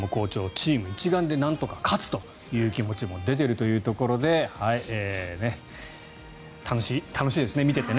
チーム一丸でなんとか勝つという気持ちも出ているというところで楽しいですね、見ていて。